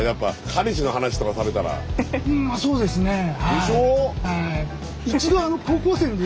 でしょ？